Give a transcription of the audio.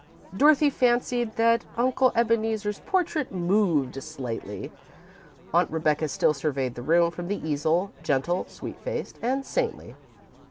Dorothy fancied that Uncle Ebeneezer's portrait moved slightly. Aunt Rebecca still surveyed the room from the easel, gentle, sweet faced, and saintly.